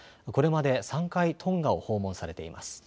これまで３回トンガを訪問されています。